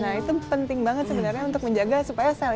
nah itu penting banget sebenarnya untuk menjaga supaya sel